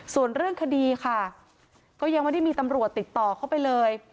ส่วนเรื่องคดีค่ะก็ยังไม่ได้มีตำรวจติดต่อเข้าไปเลย